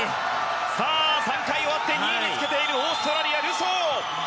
３回終わって２位につけているオーストラリア、ルソー。